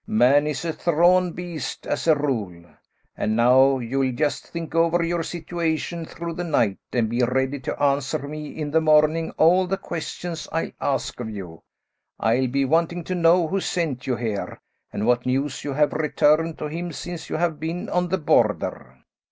Man is a thrawn beast as a rule. And now, you'll just think over your situation through the night, and be ready to answer me in the morning all the questions I'll ask of you. I'll be wanting to know who sent you here, and what news you have returned to him since you have been on the Border."